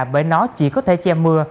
bởi nó chỉ có thể che mưa